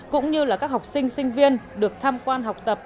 cũng như là các học sinh sinh viên được tham quan học tập